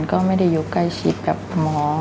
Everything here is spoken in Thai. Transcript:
ก็ไม่ได้อยู่ใกล้ชิดกับหมอ